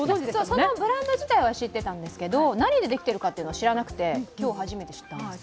そのブランド自体は知ってたんですけど何でできているか、知らなくて、今日初めて知ったんです。